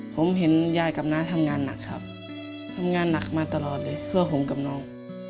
ผมเห็นยายกับน้าทำงานหนักครับทำงานหนักมาตลอดเลยเพื่อผมกับน้อง